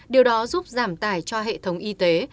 điều đó giúp giảm tải cho hệ thống y tế